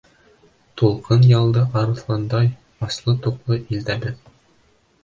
Тулҡын-ялды арыҫландай Аслы-туҡлы илдә беҙ!